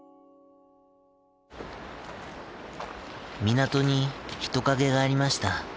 港に人影がありました。